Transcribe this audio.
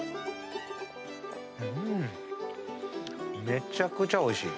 めちゃくちゃおいしい。